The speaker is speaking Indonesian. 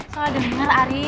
salah dengar arin